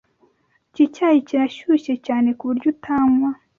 Iki cyayi kirashyushye cyane ku buryo utanywa.